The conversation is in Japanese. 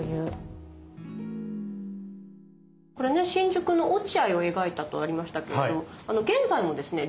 これね新宿の落合を描いたとありましたけれど現在もですね